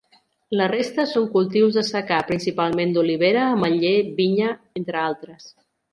La resta són cultius de secà, principalment d'olivera, ametller, vinya, entre altres.